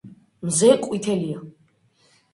მზე ყვითელია